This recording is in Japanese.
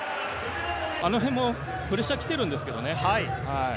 あの辺もプレッシャー来ているんですけどね。